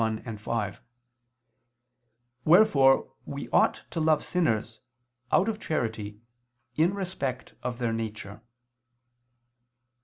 1, 5), wherefore we ought to love sinners, out of charity, in respect of their nature.